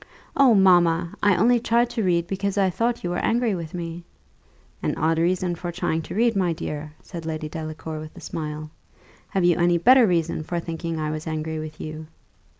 "Oh, mamma! I only tried to read, because I thought you were angry with me." "An odd reason for trying to read, my dear!" said Lady Delacour with a smile: "have you any better reason for thinking I was angry with you?"